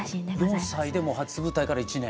４歳でもう初舞台から１年。